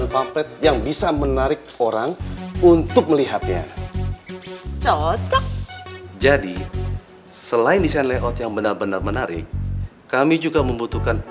mau tanda tangan atau tidak